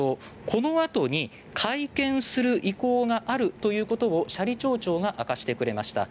このあとに会見する意向があるということを斜里町長が明かしてくれました。